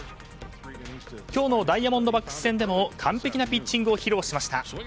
今日のダイヤモンドバックス戦でも完璧なピッチングを披露しました。